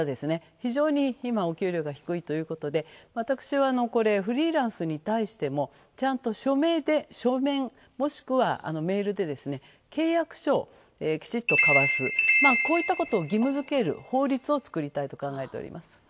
非常に今、お給料が低いということで私は、フリーランスに対してもちゃんと署名で、書面、もしくはメールで契約書をきちっと交わす、こういったことを義務付ける法律を作りたいと考えています。